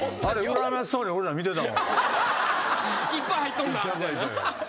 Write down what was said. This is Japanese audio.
いっぱい入っとんなって。